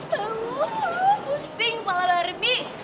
tahu lah pusing kepala barmi